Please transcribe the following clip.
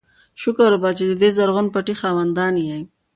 شکر وباسئ چې د دې زرغون پټي خاوندان یئ.